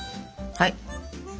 はい。